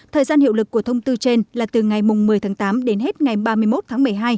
thời gian hiệu lực của thông tư trên là từ ngày một mươi tháng tám đến hết ngày ba mươi một tháng một mươi hai